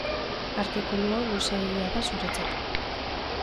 Artikulu hau luzeegia da zuretzat.